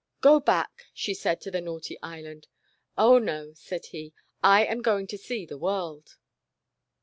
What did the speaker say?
"Go back," she said to the naughty Island. "Oh, no," said he, "I am going to see the world."